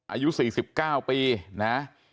อายุ๔๙ปีนะ